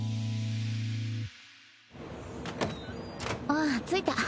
あっ着いた。